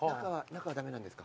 中は駄目なんですか？